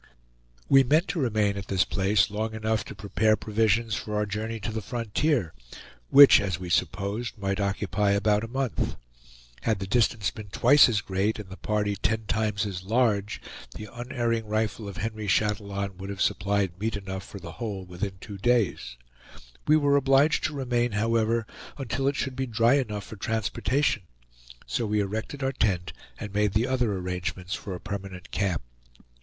We meant to remain at this place long enough to prepare provisions for our journey to the frontier, which as we supposed might occupy about a month. Had the distance been twice as great and the party ten times as large, the unerring rifle of Henry Chatillon would have supplied meat enough for the whole within two days; we were obliged to remain, however, until it should be dry enough for transportation; so we erected our tent and made the other arrangements for a permanent camp.